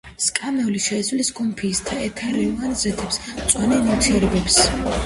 საკმეველი შეიცავს გუმფისს, ეთეროვან ზეთებს, მწვანე ნივთიერებებს.